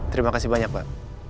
terima kasih banyak pak